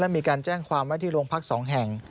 มีการแจ้งความไว้ที่โรงพัก๒แห่ง